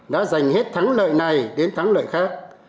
đã giành hết thắng lợi này đến thắng lợi khác